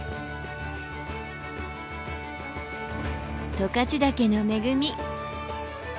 十勝岳の恵み。